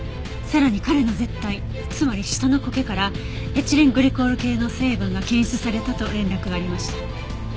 さらに彼の舌苔つまり舌の苔からエチレングリコール系の成分が検出されたと連絡がありました。